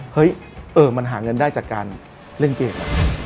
เฮ้ยมันหาเงินได้จากการเล่นเกม